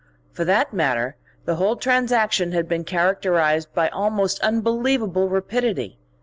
For that matter, the whole transaction had been characterised by almost unbelievable rapidity.